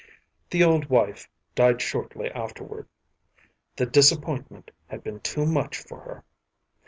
The old wife died shortly afterward; the disappointment had been too much for her.